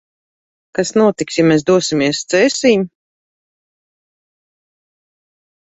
Kas notiks, ja mēs dosimies Cēsīm?